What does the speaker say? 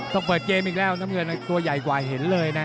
ต้องเปิดเกมอีกแล้วน้ำเงินตัวใหญ่กว่าเห็นเลยนะ